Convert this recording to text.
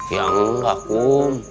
ya enggak kum